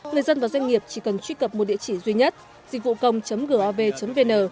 người dân và doanh nghiệp chỉ cần truy cập một địa chỉ duy nhất dịchvucông gov vn